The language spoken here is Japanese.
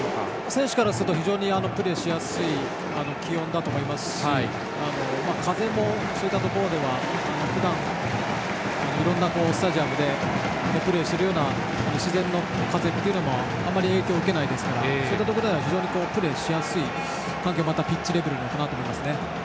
選手からするとプレーしやすい気温だと思いますし風もそういったところではふだん、いろんなスタジアムでプレーしているような自然の風というのはあまり影響を受けないので非常にプレーしやすい環境またピッチレベルだと思います。